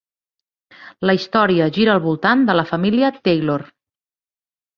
La història gira al voltant de la família Taylor.